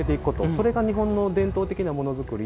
それが日本の伝統的なものづくり